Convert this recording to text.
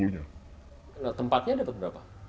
nah tempatnya dapet berapa